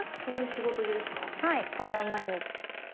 はいこれを毎日。